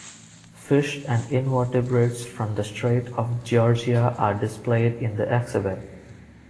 Fish and invertebrates from the Strait of Georgia are displayed in the exhibit.